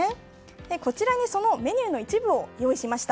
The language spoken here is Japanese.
こちらにそのメニューの一部を用意しました。